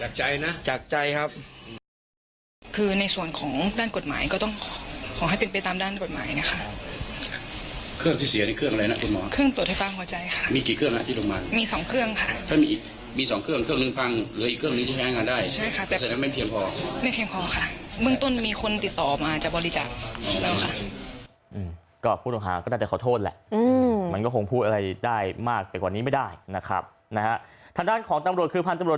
จากใจนะจากใจครับคือในส่วนของด้านกฎหมายก็ต้องขอให้เป็นไปตามด้านกฎหมายนะครับเครื่องที่เสียในเครื่องอะไรนะคุณหมอเครื่องตรวจไฟฟ้าหัวใจค่ะมีกี่เครื่องอ่ะที่ตรวจไฟฟ้าหัวใจค่ะมีสองเครื่องค่ะถ้ามีสองเครื่องเครื่องหนึ่งพังเหลืออีกเครื่องหนึ่งที่ให้งานได้ใช่ไหมครับแต่ในนั้นไม่เพียงพอไม่เพียงพอค่